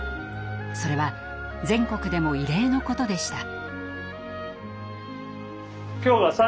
それは全国でも異例のことでした。